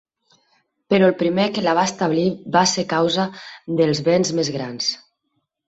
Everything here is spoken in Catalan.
Però el primer que la va establir va ser causa dels béns més grans.